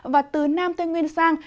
và từ nam tây nguyên sang